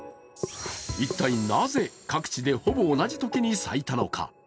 一体なぜ各地でほぼ同じ時に咲いたのか。